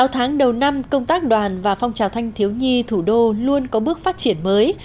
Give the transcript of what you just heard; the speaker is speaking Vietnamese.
sáu tháng đầu năm công tác đoàn và phong trào thanh thiếu nhi thủ đô luôn có bước phát triển mới